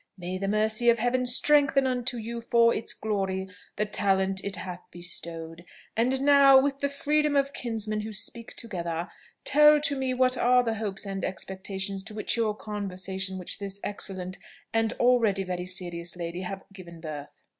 May the mercy of Heaven strengthen unto you, for its glory, the talent it hath bestowed! And now with the freedom of kinsmen who speak together, tell to me what are the hopes and expectations to which your conversation with this excellent, and already very serious lady, have given birth."